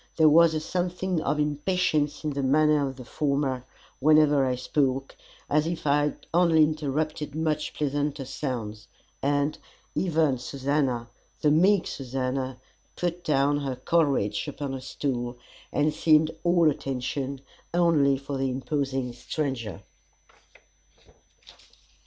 There was a something of impatience in the manner of the former whenever I spoke as if I had only interrupted much pleasanter sounds; and, even Susannah, the meek Susannah, put down her Coleridge upon a stool, and seemed all attention, only for the imposing stranger.